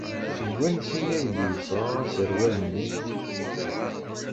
Seg wansi ay d-yesɣa aserwal-nni?